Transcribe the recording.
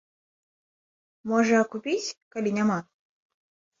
Можа, купіць, калі няма?